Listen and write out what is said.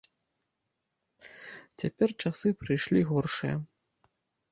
Цяпер часы прыйшлі горшыя.